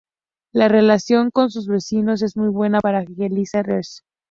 La relación con sus vecinos es muy buena para Jeliza-Rose.